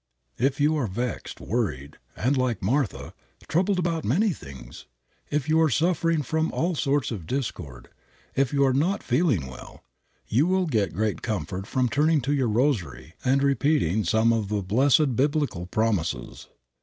If you are vexed, worried, and like Martha, "troubled about many things;" if you are suffering from all sorts of discord; if you are not feeling well, you will get great comfort from turning to your rosary and repeating some of the blessed Biblical promises.